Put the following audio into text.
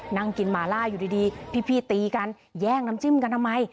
นั่งกินหมาล่าอยู่ดีพี่ตีกันแย่งน้ำจิ้มกันทำไม